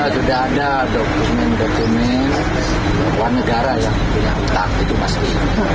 sudah ada dokumen dokumen warga negara yang punya hutang itu pasti